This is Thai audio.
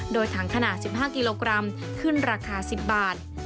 โดยถังขนาด๑๕กิโลกรัมขึ้นราคา๑๐บาท